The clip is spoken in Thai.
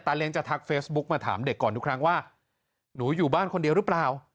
เลี้ยจะทักเฟซบุ๊กมาถามเด็กก่อนทุกครั้งว่าหนูอยู่บ้านคนเดียวหรือเปล่า